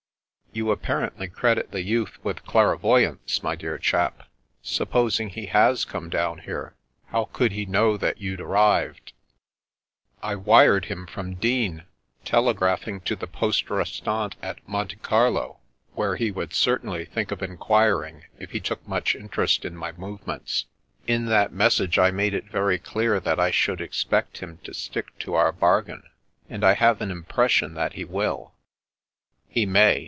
" You apparently credit the youth with clairvoy ance, my dear chap. Supposing he has come down here, how could he know that you'd arrived ?"" I wired him from Digne, telegraphing to the Poste Restante at Monte Carlo, where he would certainly think of enquiring, if he took much interest in my movements. In that message I made it very clear that I should expect him to stick to our bar gain, and I have an impression that he will." " He may.